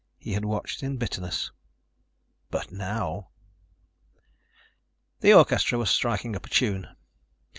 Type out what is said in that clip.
He had watched in bitterness.... But now! The orchestra was striking up a tune.